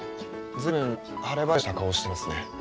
随分晴れ晴れとした顔をしていますね。